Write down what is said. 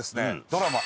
ドラマ